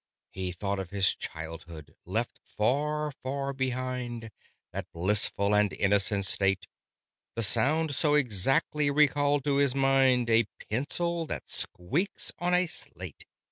He thought of his childhood, left far far behind That blissful and innocent state The sound so exactly recalled to his mind A pencil that squeaks on a slate!